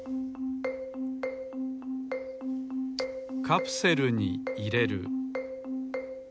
カプセルにいれる。